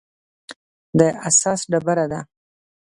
د اساس ډبره ده.